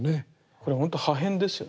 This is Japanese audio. これほんと破片ですよね。